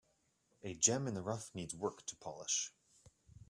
A gem in the rough needs work to polish.